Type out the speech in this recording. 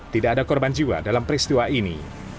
tidak ada korban jiwa dalam peristiwa ini